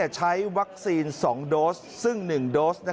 ใช้วัคซีน๒โดสซึ่ง๑โดส